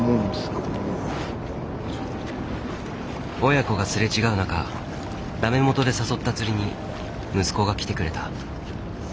親子が擦れ違う中だめもとで誘った釣りに息子が来てくれた。